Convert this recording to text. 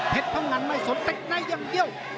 เพชรพังงันไม่สนติดไหนยังเยี่ยว